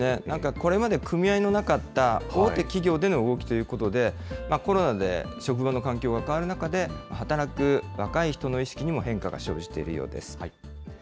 なんか、これまで組合のなかった大手企業での動きということで、コロナで職場の環境が変わる中で、働く若い人の意識にも変化が生じているようです。